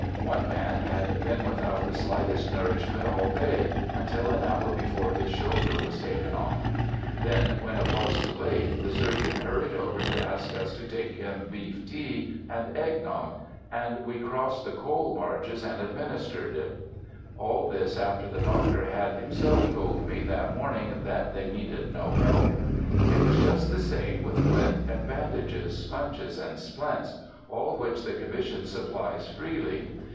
One man had been without the slightest nourishment all day until an hour before his shoulder was taken off; then, when it was too late, the surgeon hurried over to ask us to take him beef tea and egg nog, and we crossed the coal barges and administered it; all this after the Doctor had himself told me that morning that they needed no help. It is just the same with lint and bandages, sponges and splints, all which the Commission supplies freely.